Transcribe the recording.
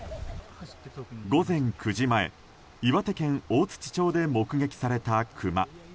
午前９時前、岩手県大槌町で目撃されたクマ。